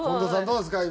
どうですか？